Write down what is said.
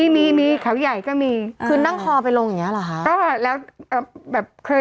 มีมีเขาใหญ่ก็มีคือนั่งคอไปลงอย่างนี้เหรอคะ